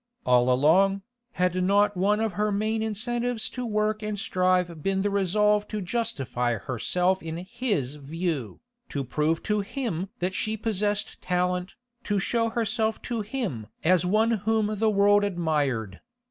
All along, had not one of her main incentives to work and strive been the resolve to justify herself in his view, to prove to him that she possessed talent, to show herself to him as one whom the world admired?